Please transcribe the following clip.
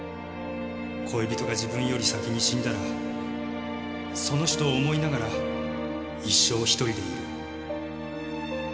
恋人が自分より先に死んだらその人を思いながら一生ひとりでいる。